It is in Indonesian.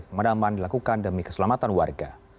pemadaman dilakukan demi keselamatan warga